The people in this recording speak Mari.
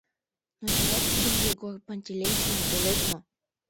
Но чыла тидым Егор Пантелеичлан ойлет мо?